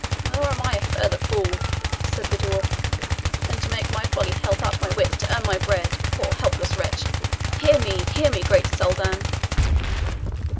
"Nor am I further fool," said the dwarf, "than to make my folly help out my wits to earn my bread, poor, helpless wretch! Hear, hear me, great Soldan!"